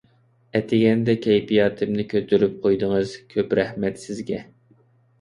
ئەتىگەندە كەيپىياتىمنى كۆتۈرۈپ قويدىڭىز، كۆپ رەھمەت سىزگە!